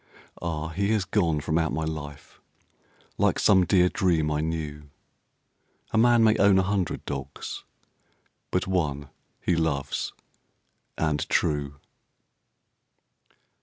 Ah! He has gone from out my life Like some dear dream I knew. A man may own a hundred dogs, But one he loves, and true.